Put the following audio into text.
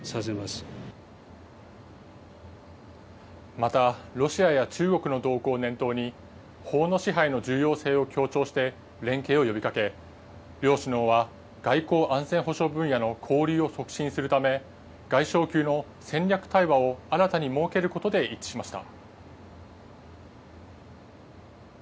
また、ロシアや中国の動向を念頭に、法の支配の重要性を強調して連携を呼びかけ、両首脳は外交・安全保障分野の交流を促進するため、外相級の戦略対話を新たに設けることで一致しました。